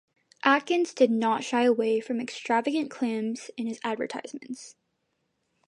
Atkins did not shy away from extravagant claims in his advertisements.